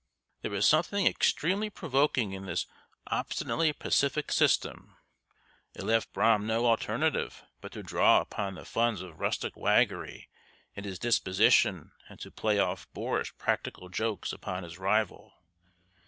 There was something extremely provoking in this obstinately pacific system; it left Brom no alternative but to draw upon the funds of rustic waggery in his disposition and to play off boorish practical jokes upon his rival.